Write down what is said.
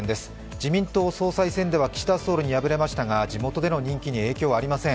自民党総裁選では岸田総理に敗れましたが地元での人気に影響はありません。